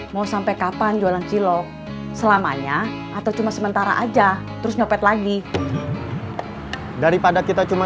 mau sampai kapan jualan cilok selamanya atau cuma sementara aja terus nyopet lagi daripada kita cuma